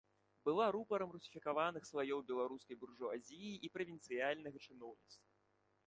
Была рупарам русіфікаваных слаёў беларускай буржуазіі і правінцыяльнага чыноўніцтва.